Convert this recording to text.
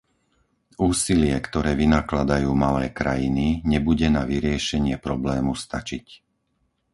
Úsilie, ktoré vynakladajú malé krajiny, nebude na vyriešenie problému stačiť.